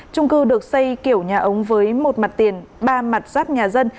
trung cư được xây kiểu nhà ống với một mặt tiền ba mặt ráp nhà dân